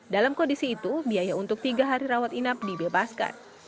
dalam kondisi itu biaya untuk tiga hari rawat inap dibebaskan